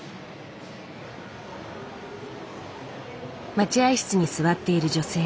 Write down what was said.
待合室に座っている女性。